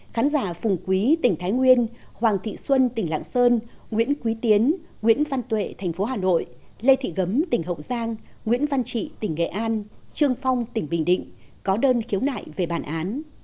khán giả phùng quý tỉnh thái nguyên hoàng thị xuân tỉnh lạng sơn nguyễn quý tiến nguyễn văn tuệ thành phố hà nội lê thị gấm tỉnh hậu giang nguyễn văn trị tỉnh nghệ an trương phong tỉnh bình định có đơn khiếu nại về bản án